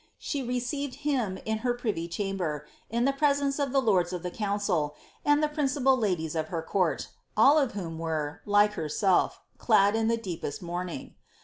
She received him in her privy chamber, in the pre sence of the lords of the council, and the principal ladies of her court, all of whom were, like herself, clad in the dce|)eRt mourning.